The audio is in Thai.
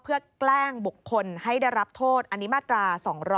เพื่อแกล้งบุคคลให้ได้รับโทษอันนี้มาตรา๒๗